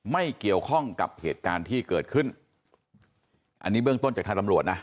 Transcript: ไม่เกี่ยวข้องกับเหตุการณ์ที่เกิดขึ้นอันนี้เบื้องต้นจากทางตำรวจนะ